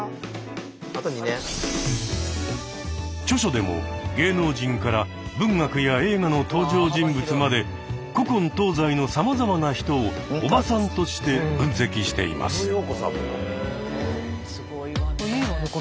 著書でも芸能人から文学や映画の登場人物まで古今東西のさまざまな人を「おばさん」として分析しています。